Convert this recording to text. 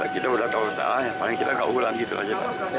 kita udah tahu usaha paling kita gak ulan gitu aja